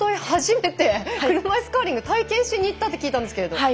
初めて車いすカーリング体験しに行ったって聞いたんですけれど。